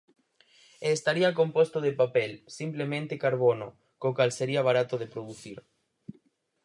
E estaría composto de papel, simplemente carbono, co cal sería barato de producir.